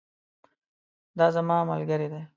دا زما ملګری دی